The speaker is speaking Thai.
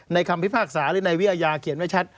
ในคำพิภาคศาหรือในวิอยาเขียนไว้ชัด